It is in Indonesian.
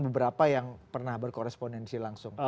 beberapa yang pernah berkorespondensi langsung